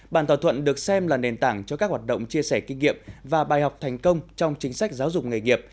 bản thỏa thuận được xem là nền tảng cho các hoạt động chia sẻ kinh nghiệm và bài học thành công trong chính sách giáo dục nghề nghiệp